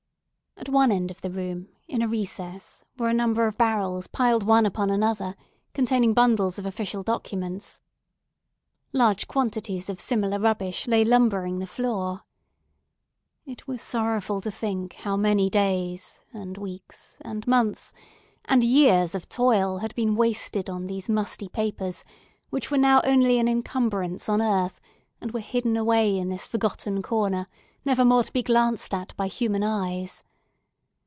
At one end of the room, in a recess, were a number of barrels piled one upon another, containing bundles of official documents. Large quantities of similar rubbish lay lumbering the floor. It was sorrowful to think how many days, and weeks, and months, and years of toil had been wasted on these musty papers, which were now only an encumbrance on earth, and were hidden away in this forgotten corner, never more to be glanced at by human eyes.